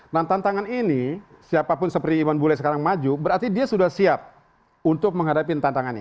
nah tantangan ini siapapun seperti iwan bule sekarang maju berarti dia sudah siap untuk menghadapi tantangan ini